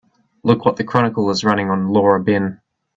Look what the Chronicle is running on Laura Ben.